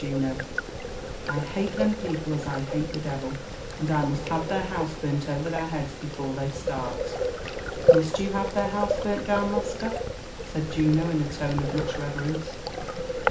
Juno, I hate them people as I hate the devil, and I must have their house burnt over their heads before they start." ''Must vou have their house burnt down, master ?" said Juno in a tone of much reverence.